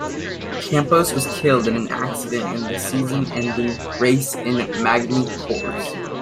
Campos was killed in an accident at the season-ending race in Magny Cours.